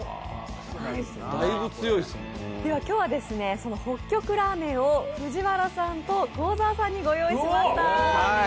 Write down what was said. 今日は北極ラーメンを藤原さんと幸澤さんにご用意しました。